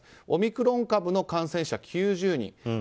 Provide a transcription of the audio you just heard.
オミクロン株の感染者９０人。